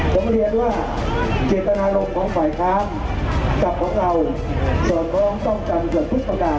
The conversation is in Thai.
ผมเรียนว่าเกตนารมณ์ของฝ่ายครามกับของเราส่วนมองต้องการส่วนพุทธประการ